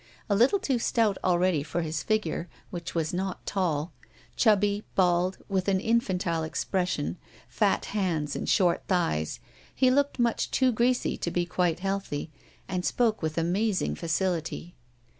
A little too stout already for his figure, which was not tall, chubby, bald, with an infantile expression, fat hands, and short thighs, he looked much too greasy to be quite healthy, and spoke with amazing facility.